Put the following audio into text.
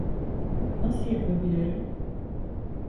Nasıl yapabilirim?